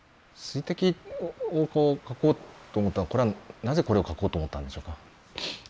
「水滴」を書こうと思ったのはこれはなぜこれを書こうと思ったんでしょうか。